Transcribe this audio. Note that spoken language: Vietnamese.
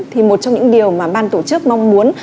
thì một trong những điều mà ban tổ chức mong muốn